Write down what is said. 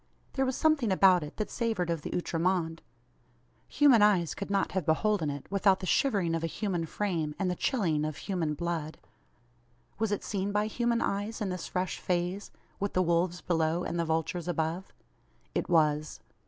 There was some thing about it that savoured of the outre monde. Human eyes could not have beholden it, without the shivering of a human frame, and the chilling of human blood. Was it seen by human eyes in this fresh phase with the wolves below, and the vultures above? It was.